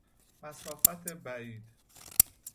مسافت بعید